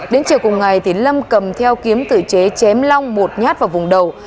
đến chiều cùng ngày lâm cầm theo kiếm tự chế chém long một nhát vào vùng đầu